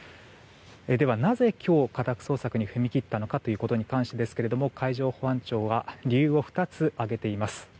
では、なぜ今日家宅捜索に踏み切ったのかですが海上保安庁が理由を２つ挙げています。